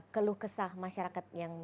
keluh kesah masyarakat yang